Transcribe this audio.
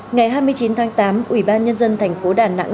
ngày hai mươi chín tháng tám ubnd tp đà nẵng